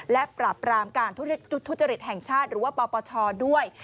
และปราบรามการทุจริตแห่งชาติหรือว่าปปชด้วย